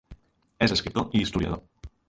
És escriptor i historiador.